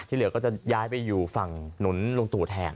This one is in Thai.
เหลือก็จะย้ายไปอยู่ฝั่งหนุนลุงตู่แทน